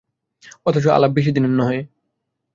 অথচ আলাপ বেশিদিনের নহে।